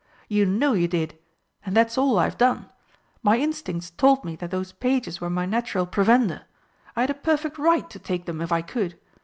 You know you did! And that's all I've done. My instincts told me that those pages were my natural provender. I had a perfect right to take them if I could.